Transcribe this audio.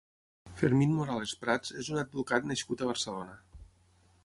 Fermín Morales Prats és un advocat nascut a Barcelona.